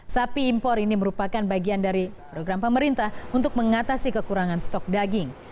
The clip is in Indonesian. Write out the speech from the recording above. sapi impor ini merupakan bagian dari program pemerintah untuk mengatasi kekurangan stok daging